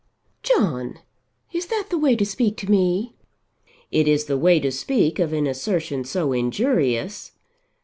"John, is that the way to speak to me?" "It is the way to speak of an assertion so injurious."